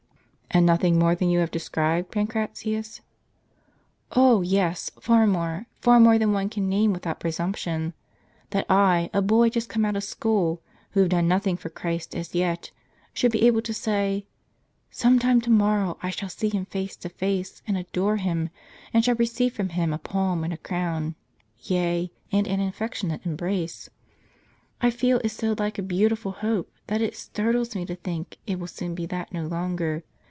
"" And nothing more than you have described, Pancratius ?" "Oh, yes, far more ; far more than one can name without presumption. That I, a boy just come out of school, who have done nothing for Christ as yet, should be able to say, ' Some time to morrow, I shall see Him face to face, and adore Him, and shall receive from Him a palm and a crown, yea, and an affectionate embrace,' — I feel is so like a beautiful hope, that it startles me to think it will soon be that no longer.